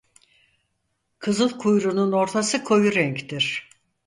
Kızıl kuyruğunun ortası koyu renktir.